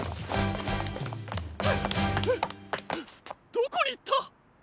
どこにいった！？